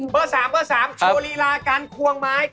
เบอร์๓ชัวรีรากันควงไม้